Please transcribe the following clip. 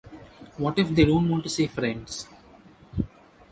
What if they don't want to say friends?